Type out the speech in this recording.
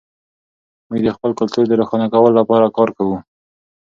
موږ د خپل کلتور د روښانه کولو لپاره کار کوو.